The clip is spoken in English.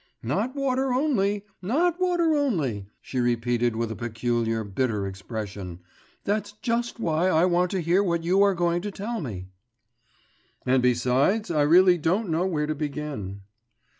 'Not water only! not water only!' she repeated with a peculiar bitter expression; 'that's just why I want to hear what you are going to tell me.' 'And beside I really don't know where to begin.